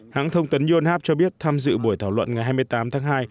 hãng thông tấn yonhap cho biết tham dự buổi thảo luận ngày hai mươi tám tháng hai